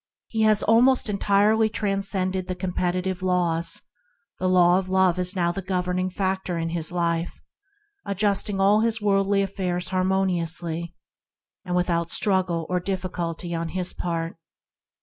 He has almost entirely transcended the competitive laws, and the Law of Love is now the governing factor in his life, adjusting all his worldly affairs harmoniously, and without struggle or difficulty on his part.